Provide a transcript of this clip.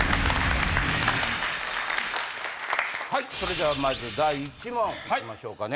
それではまず第１問いきましょうかね。